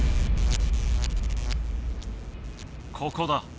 ここだ。